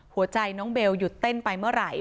หัวใจน้องเบลหยุดเต้นไปเมื่อไหร่